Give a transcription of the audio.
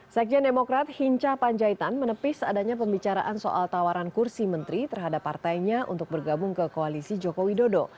sekjen demokrat hinca panjaitan menepis adanya pembicaraan soal tawaran kursi menteri terhadap partainya untuk bergabung ke koalisi joko widodo